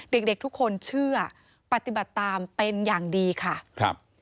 เด็กทุกคนเชื่อปฏิบัติตามเป็นอย่างดีค่ะ